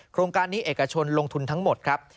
โครงการนี้เอกชนลงทุนทั้งหมดครับ